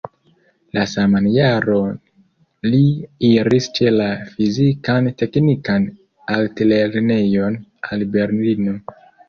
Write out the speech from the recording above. La saman jaron li iris ĉe la Fizikan-teknikan altlernejon al Berlino.